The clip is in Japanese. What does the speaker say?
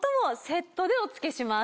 セットでお付けします。